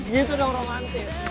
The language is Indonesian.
gitu dong romantis